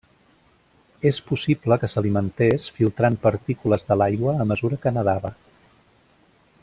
És possible que s'alimentés filtrant partícules de l'aigua a mesura que nedava.